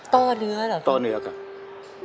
ต้อเนื้อเหรอครับ